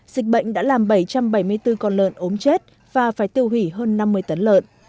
dịch bệnh đã làm bảy trăm bảy mươi bốn con lợn ốm chết và phải tiêu hủy hơn năm mươi tấn lợn